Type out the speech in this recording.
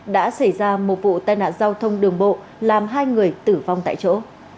đã xảy ra một vụ tai nạn giao thông đường bộ làm hai người tử vong tại chỗ